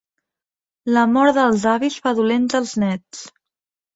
L'amor dels avis fa dolents els nets.